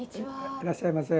いらっしゃいませ。